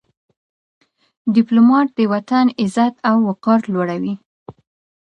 ډيپلومات د وطن عزت او وقار لوړوي.